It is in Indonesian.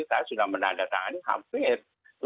kita sudah menandatangani hampir